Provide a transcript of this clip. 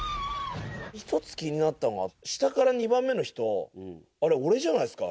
一つ気になったのが、下から２番目の人、あれ、俺じゃないですか。